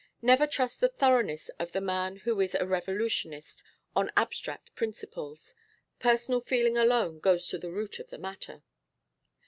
Never trust the thoroughness of the man who is a revolutionist on abstract principles; personal feeling alone goes to the root of the matter.